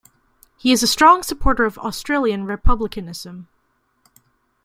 He is a strong supporter of Australian republicanism.